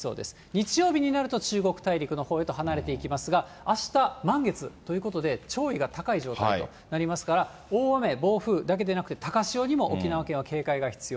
日曜日になると、中国大陸のほうへと離れていきますが、あした、満月ということで、潮位が高い状態となりますから、大雨、暴風だけでなくて、高潮にも沖縄県は警戒が必要。